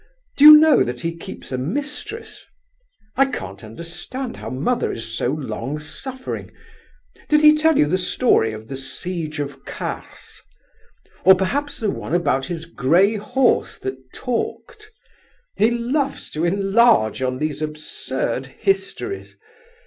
Do you know that he keeps a mistress? I can't understand how mother is so long suffering. Did he tell you the story of the siege of Kars? Or perhaps the one about his grey horse that talked? He loves to enlarge on these absurd histories."